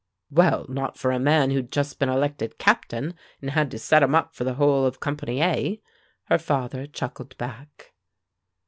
"Well, not for a man who'd just been elected captain and had to set 'em up for the whole of Company A," her father chuckled back.